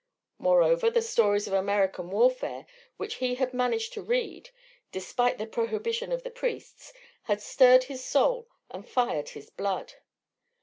Moreover, the stories of American warfare which he had managed to read, despite the prohibition of the priests, had stirred his soul and fired his blood.